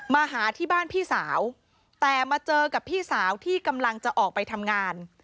มาหาที่บ้านพี่สาวแต่มาเจอกับพี่สาวที่กำลังจะออกไปทำงาน